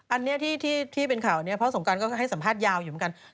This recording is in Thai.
อันนี้ที่เป็นข่าวนี้พ่อสงการก็ให้สัมภาษณ์ยาวอยู่เหมือนกัน